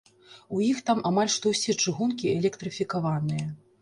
У іх там амаль што ўсе чыгункі электрыфікаваныя.